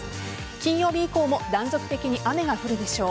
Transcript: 金曜日以降も断続的に雨が降るでしょう。